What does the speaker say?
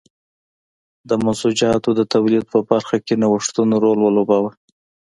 د منسوجاتو د تولید په برخه کې نوښتونو رول ولوباوه.